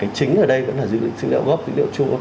cái chính ở đây vẫn là dữ liệu gốc